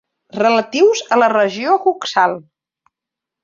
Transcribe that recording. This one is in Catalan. Relatius a la regió coxal.